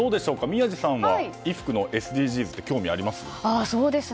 宮司さんは衣服のＳＤＧｓって興味あります？